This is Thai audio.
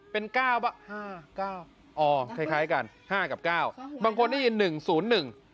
เป็นเก้าป่ะห้าเก้าอ๋อคล้ายคล้ายกันห้ากับเก้าบางคนได้ยินหนึ่งศูนย์หนึ่ง